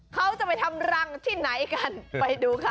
เขาจะไปทำรังที่ไหนกันไปดูค่ะ